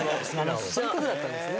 そういうことだったんですね。